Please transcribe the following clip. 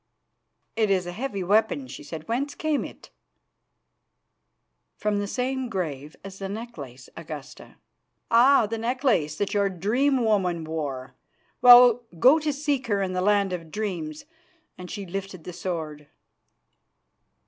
"It is a heavy weapon," she said. "Whence came it?" "From the same grave as the necklace, Augusta." "Ah! the necklace that your dream woman wore. Well, go to seek her in the land of dreams," and she lifted the sword.